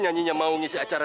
langsung di kesana